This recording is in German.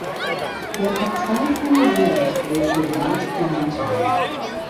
Wer Verzweiflung sät, wird Gewalt ernten.